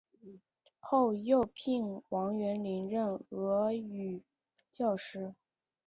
后又聘王元龄任俄语教师。